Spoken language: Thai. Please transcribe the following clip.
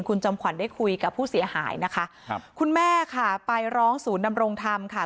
คุณจำขวัญได้คุยกับผู้เสียหายนะคะครับคุณแม่ค่ะไปร้องศูนย์ดำรงธรรมค่ะ